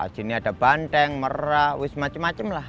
sini ada banteng merah wismacam macam lah